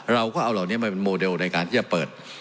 เราก็เอาเหล่านี้มาเป็นโมเดลในการที่จะเปิด